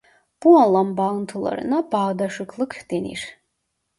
Bu anlam bağıntılarına bağdaşıklık denir.